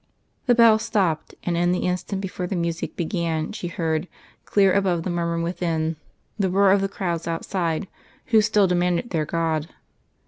The bell stopped, and in the instant before the music began she heard, clear above the murmur within, the roar of the crowds outside, who still demanded their God.